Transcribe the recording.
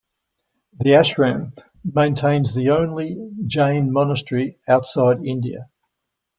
The ashram maintains the only Jain monastery outside India.